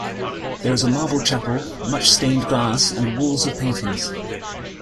There is a marble chapel, much stained glass and walls of paintings.